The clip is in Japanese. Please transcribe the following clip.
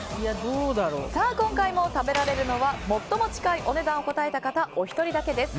今回も食べられるのは最も近いお値段を答えた方お一人だけです。